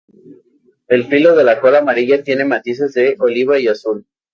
El filo de la cola amarilla tiene matices de oliva y azul.